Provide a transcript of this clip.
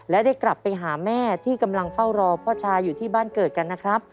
และได้กลับไปหาแม่ที่กำลังเฝ้ารอพ่อชายอยู่ที่บ้านเกิดกันนะครับ